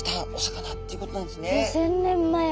５，０００年前も。